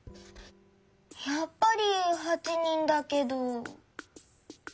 やっぱり８人だけど。